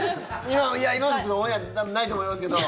今までオンエア多分ないと思いますけど。